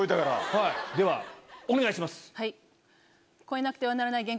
はいではお願いします。